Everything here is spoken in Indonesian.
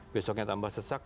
besoknya tambah sesak